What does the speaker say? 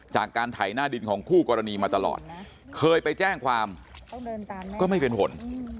จากการถ่ายหน้าดินของคู่กรณีมาตลอดเคยไปแจ้งความก็ไม่เป็นผล